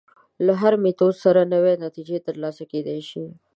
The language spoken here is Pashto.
له هر میتود سره نوې نتیجې تر لاسه کېدای شي.